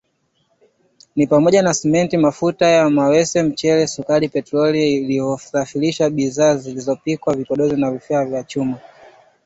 Ni pamoja na Simenti mafuta ya mawese mchele sukari petroli iliyosafishwa na bidhaa zilizopikwa vipodozi na vifaa vya chuma